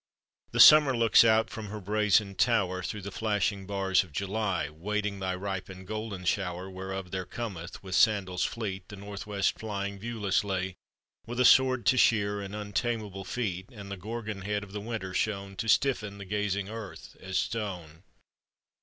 The Summer looks out from her brazen tower, Through the flashing bars of July, Waiting thy ripened golden shower; Whereof there cometh, with sandals fleet, The North west flying viewlessly, With a sword to sheer, and untameable feet, And the gorgon head of the Winter shown To stiffen the gazing earth as stone.